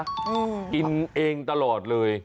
กินเองตลอดเลย